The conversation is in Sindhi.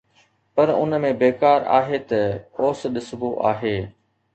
پر اُن ۾ بيڪار آهي ته اوس ڏسبو آهي